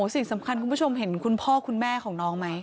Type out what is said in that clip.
สิ่งสำคัญคุณผู้ชมเห็นคุณพ่อคุณแม่ของน้องไหม